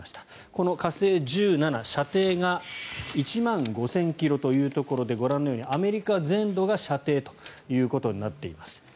この火星１７、射程が１万５０００ｋｍということでご覧のようにアメリカ全土が射程となっています。